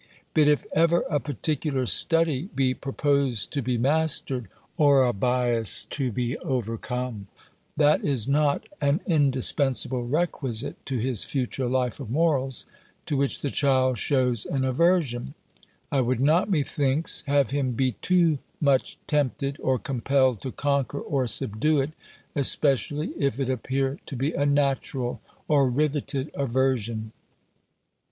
But if ever a particular study be proposed to be mastered, or a bias to be overcome (that is not an indispensable requisite to his future life of morals) to which the child shews an aversion, I would not, methinks, have him be too much tempted or compelled to conquer or subdue it, especially if it appear to be a natural or rivetted aversion.